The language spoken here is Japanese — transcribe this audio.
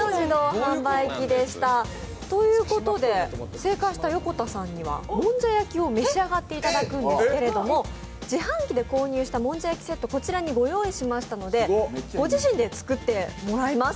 正解した横田さんにはもんじゃ焼きを召し上がっていただくんですけれども自販機で購入したもんじゃ焼きセット、ご用意しましたのでご自身で作ってもらいます。